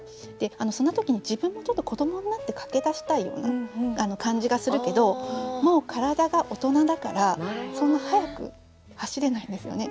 そんな時に自分もちょっと子どもになって駆けだしたいような感じがするけどもう体が大人だからそんな速く走れないんですよね。